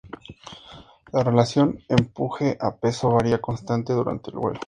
La relación empuje a peso varía constantemente durante el vuelo.